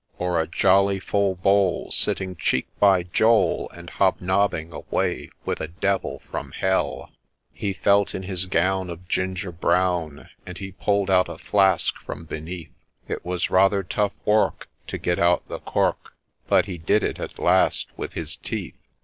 — O'er a jolly full bowl, sitting cheek by jowl, And hob nobbing away with a Devil from Hell I ' He felt in his gown of ginger brown, And he pull'd out a flask from beneath ; It was rather tough work to get out the cork, But he drew it at last with his teeth.